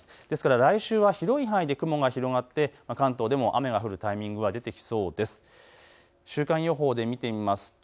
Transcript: ですから来週は広い範囲で雲が広がって関東でも雨が降るタイミングが出てきそうです。